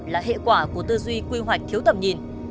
là hệ quả của tư duy quy hoạch thiếu tầm nhìn